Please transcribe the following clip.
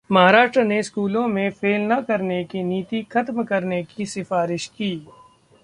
महाराष्ट्र ने स्कूलों में फेल न करने की नीति खत्म करने की सिफारिश की